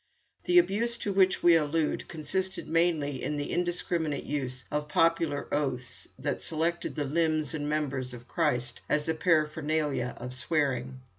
The abuse to which we allude consisted mainly in the indiscriminate use of popular oaths that selected the limbs and members of Christ as the paraphernalia of swearing.